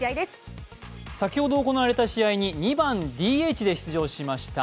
先ほど行われた試合に２番・ＤＨで出場しました。